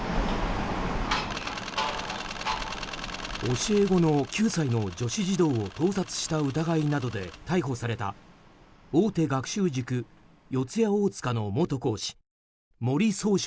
教え子の９歳の女子児童を盗撮した疑いなどで逮捕された大手学習塾、四谷大塚の元講師森崇翔